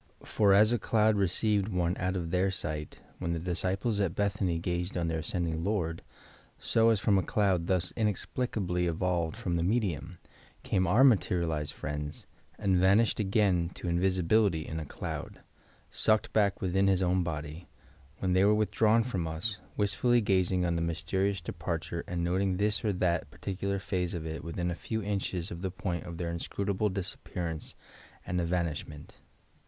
For 'as a cloud received one out of their sight' when the disciples at Bethany gazed on their ascending Lord, so, as from a cloud thus inexplicably evolved from the medium, came our materialized friends, and vanished again to invisibility in a cloud (sucked back within his own body) when they were withdrawn from us, wist fully gazing on the mysterious departure and noting this or that particular phase of it within a few inches of the point of their inscrutable disappearance and evan ishment.